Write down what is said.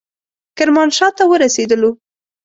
کرمانشاه ته ورسېدلو.